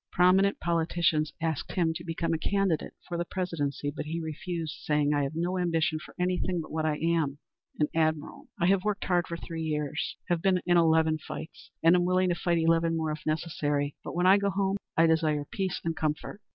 Prominent politicians asked him to become a candidate for the Presidency; but he refused, saying, "I have no ambition for anything but what I am, an admiral. I have worked hard for three years, have been in eleven fights, and am willing to fight eleven more if necessary, but when I go home I desire peace and comfort."